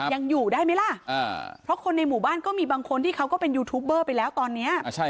ยังอยู่ได้ไหมล่ะเพราะคนในหมู่บ้านก็มีบางคนที่เขาก็เป็นยูทูปเบอร์ไปแล้วตอนนี้